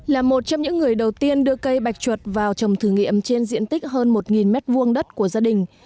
là một trong những người đầu tiên đưa cây bạch chuột vào trồng thử nghiệm trên diện tích hơn một m hai đất của gia đình